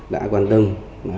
đã quan tâm